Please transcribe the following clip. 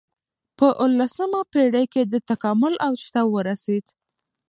په اولسمه پېړۍ کې د تکامل اوج ته ورسېد.